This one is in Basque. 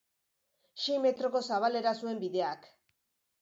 Sei metroko zabalera zuen bideak.